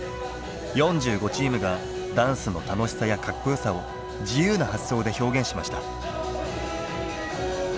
４５チームがダンスの楽しさやかっこよさを自由な発想で表現しました。